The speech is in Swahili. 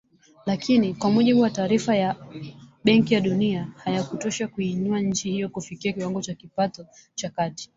Lakini, kwa mujibu wa taarifa ya ya Benki ya Dunia, hayakutosha kuiinua nchi hiyo kufikia kiwango cha kipato cha kati